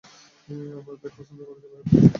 আমরা ব্যাগ হস্তান্তর করে চলে যাব।